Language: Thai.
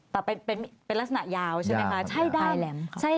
แต่เป็นลักษณะยาวใช่ไหมคะ